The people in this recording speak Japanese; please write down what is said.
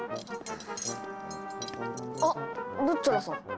あルッチョラさん。